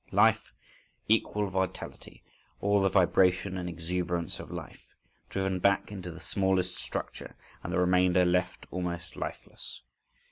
Life, equal vitality, all the vibration and exuberance of life, driven back into the smallest structure, and the remainder left almost lifeless.